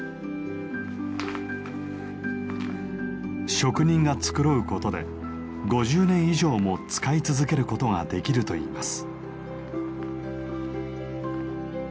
職人が繕うことで５０年以上も使い続けることができるといいます。